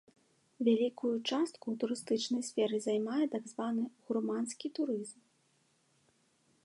Вялікую частку ў турыстычнай сферы займае так званы гурманскі турызм.